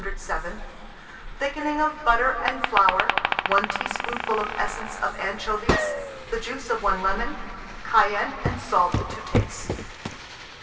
107), thickening of butter and flour, 1 teaspoonful of essence of anchovies, the juice of 1 lemon, cayenne and salt to taste.